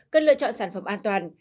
cần lựa chọn sản phẩm an toàn